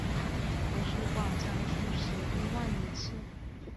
图书馆藏书十一万余册。